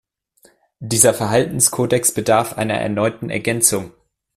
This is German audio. Dieser Verhaltenskodex bedarf einer erneuten Ergänzung.